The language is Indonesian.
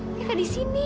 mungkin gak di sini